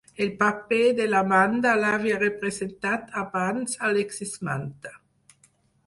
El paper de l'Amanda l'havia representat abans Alexis Manta.